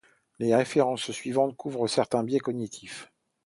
Les références suivantes couvrent certains biais cognitifs.